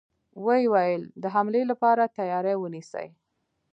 و يې ويل: د حملې له پاره تياری ونيسئ!